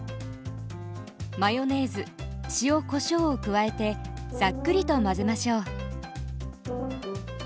マヨネーズ塩・こしょうを加えてさっくりと混ぜましょう。